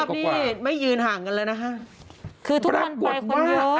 ๑๗๐๐๐กว่าภาพนี้ไม่ยืนห่างกันแล้วนะฮะคือทุกคนไปคนเยอะปรากฏว่า